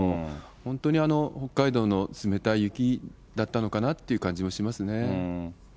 本当に北海道の冷たい雪だったのかなっていう感じはしますね。